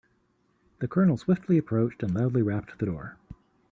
The colonel swiftly approached and loudly rapped the door.